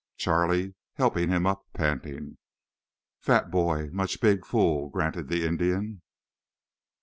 Charlie helped him up, panting. "Fat boy much big fool," granted the Indian.